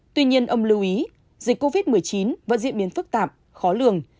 tuy nhiên ông lưu ý dịch covid một mươi chín vẫn diễn biến phức tạp khó lường